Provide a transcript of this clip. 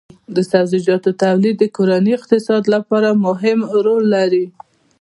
د سبزیجاتو تولید د کورني اقتصاد لپاره مهم رول لري.